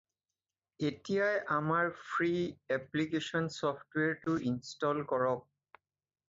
এতিয়াই আমাৰ free application ছ'ফ্টৱেৰটো ইনষ্টল কৰক।